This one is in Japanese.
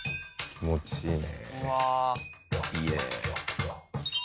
気持ちいいな。